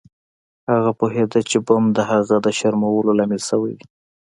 هغه پوهیده چې بم د هغه د شرمولو لامل شوی دی